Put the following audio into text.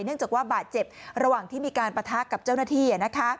เนื่องจากว่าบาดเจ็บระหว่างที่มีการปะทะกับเจ้าหน้าที่